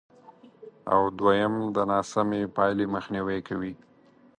او دوېم د ناسمې پایلې مخنیوی کوي،